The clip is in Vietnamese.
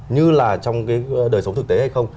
như là trong cái đời sống thực tế hay không